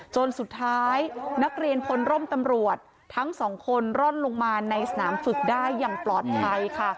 จนสุดท้ายนักเรียนพลร่มตำรวจทั้งสองคนร่อนลงมาในสนามฝึกได้อย่างปลอดภัยค่ะ